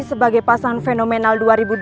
sebagai pasangan fenomenal dua ribu dua puluh satu